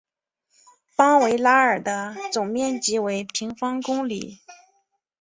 邦维拉尔的总面积为平方公里。